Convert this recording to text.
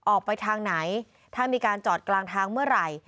ออกไปทางไหนถ้ามีการจอดกลางทางเมื่อไหร่